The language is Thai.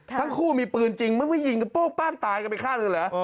ทั้งคู่มีปืนจริงมันไม่ยิงกันโป้งป้างตายกันไปข้างหนึ่งเหรอ